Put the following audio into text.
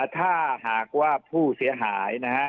ถ้าหากว่าผู้เสียหายนะฮะ